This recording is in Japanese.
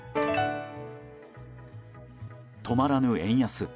止まらぬ円安。